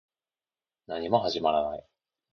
何も始まらない